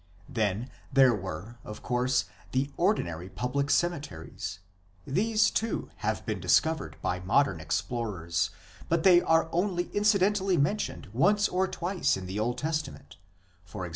1 Then there were, of course, the ordinary public cemeteries ; these, too, have been discovered by modern explorers, but they are only incidentally mentioned once or twice in the Old Testament, e.g.